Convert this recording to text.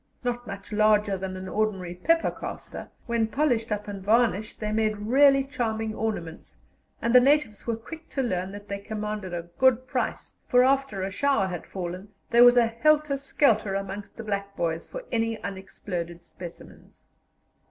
Not much larger than an ordinary pepper caster, when polished up and varnished they made really charming ornaments, and the natives were quick to learn that they commanded a good price, for after a shower had fallen there was a helter skelter amongst the black boys for any unexploded specimens.